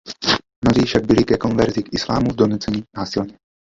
Mnozí však byli ke konverzi k islámu donuceni násilně.